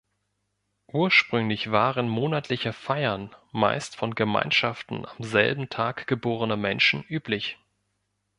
Ursprünglich waren monatliche Feiern, meist von Gemeinschaften am selben Tag geborener Menschen, üblich.